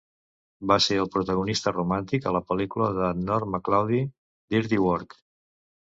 Va ser el protagonista romàntic a la pel·lícula de Norm Macdonald, "Dirty Work".